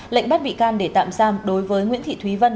lệnh bắt bị can để tạm giam đối với nguyễn thị thúy vân